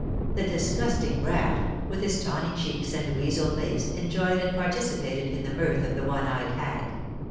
The disgusting brat, with his tawny cheeks and weasel face, enjoyed and participated in the mirth of the one eyed hag.